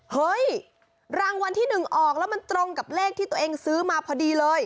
เฮ้ยรางวัลที่๑ออกแล้วมันตรงกับเลขที่ตัวเองซื้อมาพอดีเลย